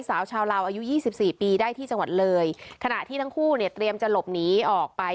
สาวชาวลาวอายุยี่สิบสี่ปีได้ที่จังหวัดเลยขณะที่ทั้งคู่เนี่ยเตรียมจะหลบหนีออกไป